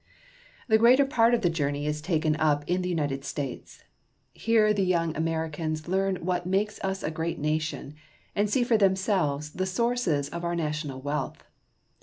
The greater part of the journey is taken in the United States. Here the young Americans learn what makes us a great nation, and see for themselves the sources of our national wealth.